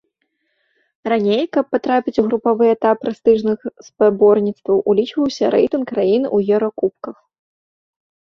Раней, каб патрапіць у групавы этап прэстыжных спаборніцтваў, улічваўся рэйтынг краін у еўракубках.